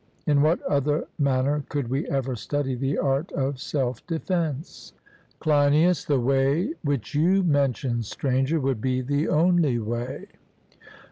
In what other manner could we ever study the art of self defence? CLEINIAS: The way which you mention, Stranger, would be the only way.